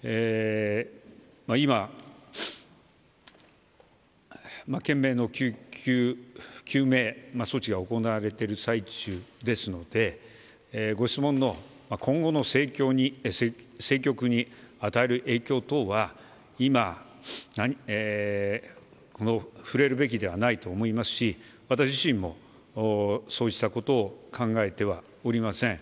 今、懸命の救急救命措置が行われている最中ですのでご質問の今後の政局に与える影響等は今、触れるべきではないと思いますし私自身もそうしたことを考えてはおりません。